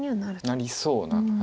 なりそうな。